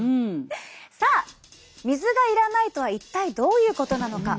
さあ水がいらないとは一体どういうことなのか？